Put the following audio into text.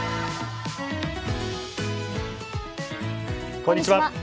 こんにちは。